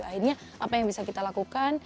akhirnya apa yang bisa kita lakukan